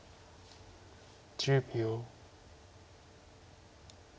１０秒。